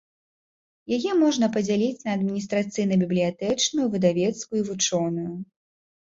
Яе можна падзяліць на адміністрацыйна бібліятэчную, выдавецкую і вучоную.